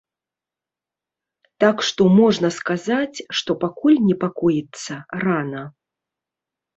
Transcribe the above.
Так што можна сказаць, што пакуль непакоіцца рана.